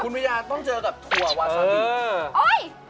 คุณวิญญาตร์ต้องเจอกับถั่ววาซาบิ